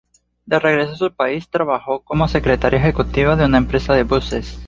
De regreso a su país, trabajó como secretaría ejecutiva en una empresa de buses.